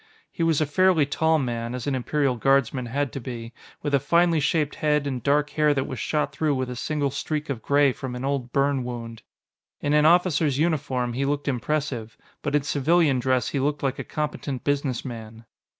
He was a fairly tall man, as an Imperial Guardsman had to be, with a finely shaped head and dark hair that was shot through with a single streak of gray from an old burn wound. In an officer's uniform, he looked impressive, but in civilian dress he looked like a competent businessman.